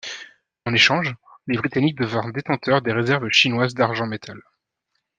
En échange, les Britanniques devinrent détenteurs des réserves chinoises d’argent-métal.